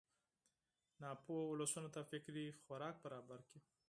ناپوهو ولسونو ته فکري خوراک برابر کړي.